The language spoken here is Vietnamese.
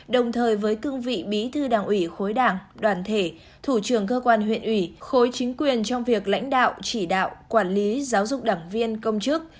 đồng thời với cương vị bí thư đảng ủy khối đảng đoàn thể thủ trưởng cơ quan huyện ủy khối chính quyền trong việc lãnh đạo chỉ đạo quản lý giáo dục đảng viên công chức